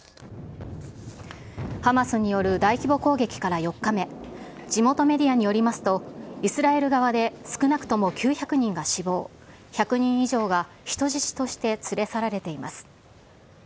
ハマスによる大規模攻撃から４日目、地元メディアによりますと、イスラエル側で少なくとも９００人が死亡、１００人以上が人質として連れ去られています。